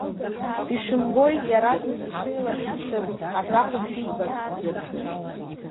Ишәымбои, иаразнак ишеилашәыԥсаз, аҳәаха шәибаҭом.